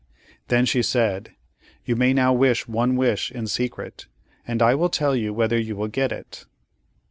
Then she said: "You may now wish one wish in secret, and I will tell you whether you will get it."